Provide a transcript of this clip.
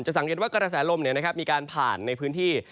สังเกตว่ากระแสลมมีการผ่านในพื้นที่